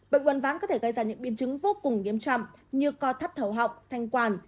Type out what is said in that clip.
bệnh quần ván có thể gây ra những biến chứng vô cùng nghiêm trọng như co thắt thầu họng thanh quản